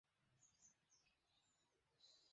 আমাদের ছেড়ে যাবেন না।